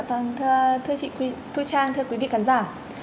vâng thưa chị thu trang thưa quý vị khán giả